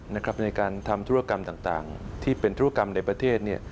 ในการทำธุรกรรมต่างที่เป็นธุรกรรมในประเทศ